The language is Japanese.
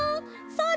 それ！